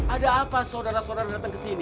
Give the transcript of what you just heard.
ada apa saudara saudara datang kesini